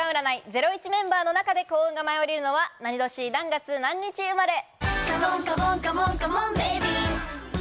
『ゼロイチ』メンバーの中で幸運が舞い降りるのは何年何月何日生まれ。